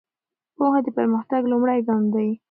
پوهه د پرمختګ لومړی ګام ده.